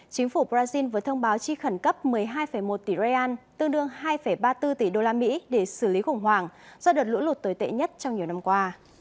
chính phủ brazil vừa thông báo chi khẩn cấp một mươi hai một tỷ rai an tương đương hai ba mươi bốn tỷ đô la mỹ để xử lý khủng hoảng do đợt lũ lụt tồi tệ nhất trong nhiều năm qua